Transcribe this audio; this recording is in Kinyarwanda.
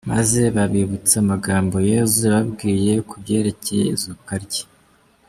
Maze babibutsa amagambo Yezu yababwiye kubyerekeye izuka rye.